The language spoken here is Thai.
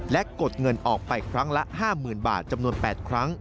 และกดเงินออกไปครั้งละ๕๐๐๐บาทจำนวน๘ครั้ง